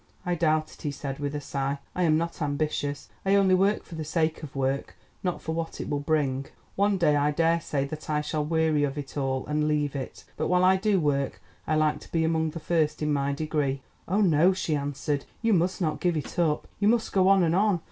"I doubt it," he said with a sigh. "I am not ambitious. I only work for the sake of work, not for what it will bring. One day I daresay that I shall weary of it all and leave it. But while I do work, I like to be among the first in my degree." "Oh, no," she answered, "you must not give it up; you must go on and on.